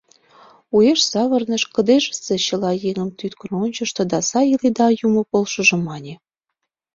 Уэш савырныш, кыдежысе чыла еҥым тӱткын ончышто да «сай иледа – юмо полшыжо» мане.